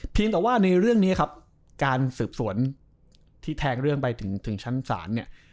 แต่ว่าในเรื่องนี้ครับการสืบสวนที่แทงเรื่องไปถึงชั้นศาลเนี่ย